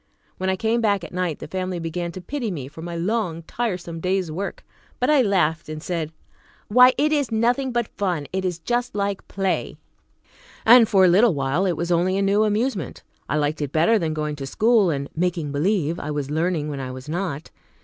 When I came back at night, the family began to pity me for my long, tiresome day's work, but I laughed and said, "Why, it is nothing but fun. It is just like play." And for a little while it was only a new amusement; I liked it better than going to school and "making believe" I was learning when I was not.